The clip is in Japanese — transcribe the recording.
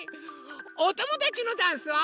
おともだちのダンスを。